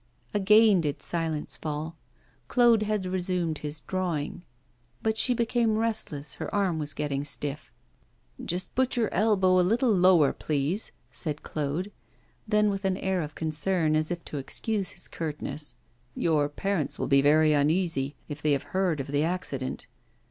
Again did silence fall. Claude had resumed his drawing. But she became restless, her arm was getting stiff. 'Just put your elbow a little lower, please,' said Claude. Then, with an air of concern, as if to excuse his curtness: 'Your parents will be very uneasy, if they have heard of the accident.